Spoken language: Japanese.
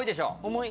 重い！